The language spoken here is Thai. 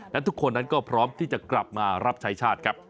และทุกคนนั้นก็พร้อมที่จะกลับมารับใช้ชาติครับ